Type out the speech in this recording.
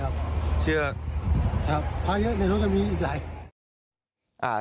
ครับเท่าที่เยอะในรถมีอีกไอ